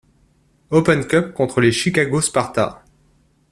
Open Cup contre les Chicago Sparta.